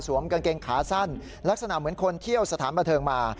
กางเกงขาสั้นลักษณะเหมือนคนเที่ยวสถานบันเทิงมา